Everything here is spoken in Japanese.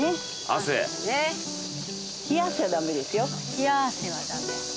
冷や汗はダメ。